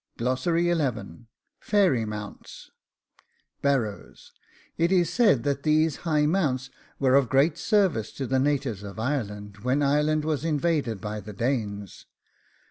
. FAIRY MOUNTS Barrows. It is said that these high mounts were of great service to the natives of Ireland when Ireland was invaded by the Danes.